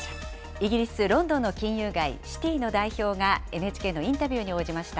イギリス・ロンドンの金融街、シティの代表が、ＮＨＫのインタビューに応じました。